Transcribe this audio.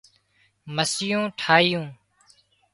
مسيون ٺاهيون